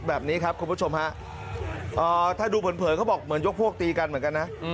แบบนี้ครับคุณผู้ชมฮะถ้าดูเผินเขาบอกเหมือนยกพวกตีกันเหมือนกันนะ